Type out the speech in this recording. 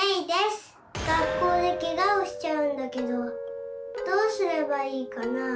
学校でケガをしちゃうんだけどどうすればいいかなあ？